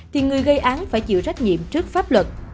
thì người gây án phải chịu trách nhiệm trước pháp luật